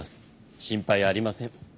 心配ありません。